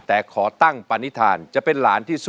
แต่ขอตั้งปณิธานจะเป็นหลานที่สุด